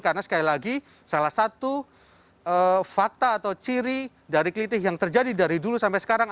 karena sekali lagi salah satu fakta atau ciri dari kelitih yang terjadi dari dulu sampai sekarang